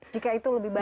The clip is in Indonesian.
jika itu lebih baik